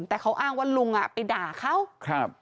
แต่เขาอ้างว่าลุงไปด่าเขา